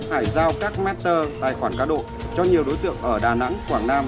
hải giao các master tài khoản cá độ cho nhiều đối tượng ở đà nẵng quảng nam